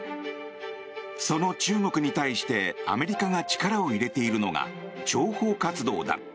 その中国に対してアメリカが力を入れているのが諜報活動だ。